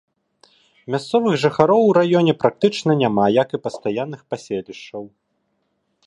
Мясцовых жыхароў у раёне практычна няма, як і пастаянных паселішчаў.